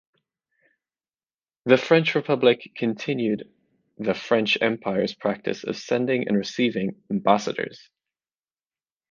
The French Republic continued the French Empire's practice of sending and receiving ambassadors.